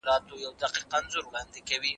که الوتکه وغورځي موږ به مړه شو.